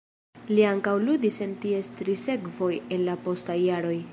Li ankaŭ ludis en ties tri sekvoj en la postaj jaroj.